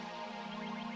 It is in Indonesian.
mbak fim mbak ngerasa